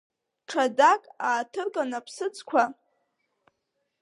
Ҽадак ааҭырган аԥсыӡқәа…